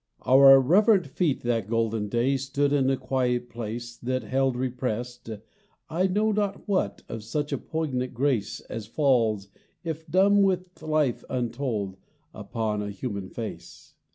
Our reverent feet that golden day Stood in a quiet place, That held repressed I know not what Of such a poignant grace As falls, if dumb with life untold, Upon a human face.